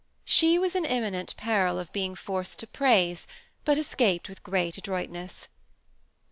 She was in imminent peril of being forced to praise, but escaped with great adroitness.